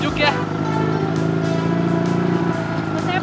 mungkin tu basically